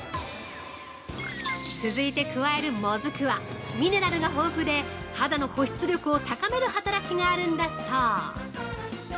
続いて加えるモズクは、ミネラルが豊富で肌の保湿力を高める働きがあるんだそう！